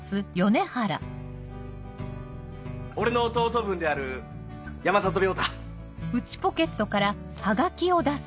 俺の弟分である山里亮太。